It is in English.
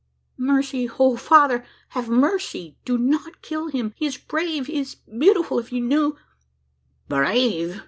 "Mercy! O father, have mercy! Do not kill him. He is brave he is beautiful! If you knew " "Brave!